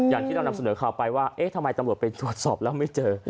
อย่างที่เรานำเสนอข่าวไปว่าเอ๊ะทำไมตำรวจไปตรวจสอบแล้วไม่เจอ